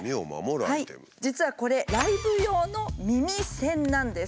実はこれライブ用の耳栓なんです。